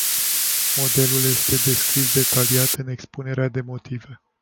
Modelul este descris detaliat în expunerea de motive.